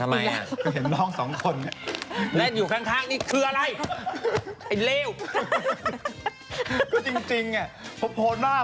ไปนั่งกับเขาเลยไป